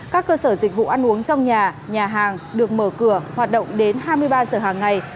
các cơ sở dịch vụ ăn uống trong nhà nhà hàng được mở cửa hoạt động đến hai mươi ba giờ hàng ngày